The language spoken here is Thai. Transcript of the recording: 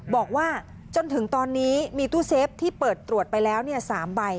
บอกว่าจนถึงตอนนี้มีตู้เซฟที่เปิดตรวจไปแล้ว๓ใบ